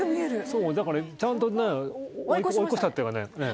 そうだからちゃんとね追い越したっていうかね